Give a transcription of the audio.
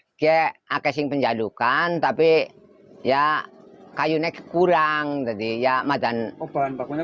ya maka dan naik tapi ke akses penjadukan tapi ya kayunya kekurang jadi ya madan obat bakunya